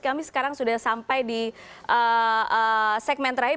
kami sekarang sudah sampai di segmen terakhir